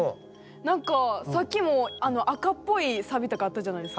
何かさっきも赤っぽいサビとかあったじゃないですか。